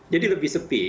jadi lebih sepi